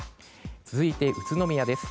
続いて、宇都宮です。